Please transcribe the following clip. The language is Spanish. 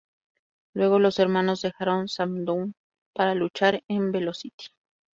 Luego los hermanos dejaron "Smackdown" para luchar en "Velocity".